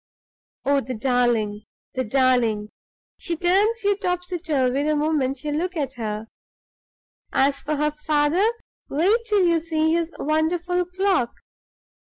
Oh, the darling! the darling! she turns you topsy turvy the moment you look at her. As for her father, wait till you see his wonderful clock!